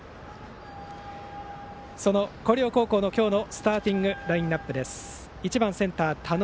その広陵高校の今日のスターティングラインナップです。